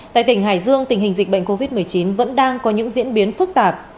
tại tỉnh hải dương tình hình dịch bệnh covid một mươi chín vẫn đang có những diễn biến phức tạp